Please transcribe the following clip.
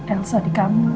elsa di kamu